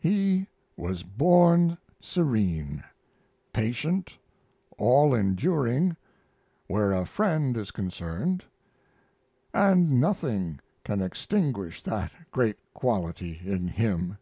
He was born serene, patient, all enduring, where a friend is concerned, and nothing can extinguish that great quality in him.